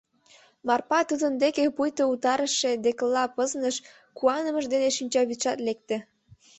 Марпа тудын деке пуйто утарыше декыла пызныш, куанымыж дене шинчавӱдшат лекте.